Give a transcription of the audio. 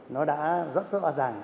nó đã rất rất hoa giảng